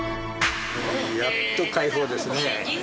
やっと解放ですね。